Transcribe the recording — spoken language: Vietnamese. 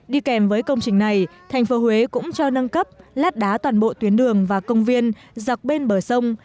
đi kèm với công trình này thành phố huế cũng cho nâng cấp lát đá toàn bộ tuyến đường và công viên dọc bên bờ sông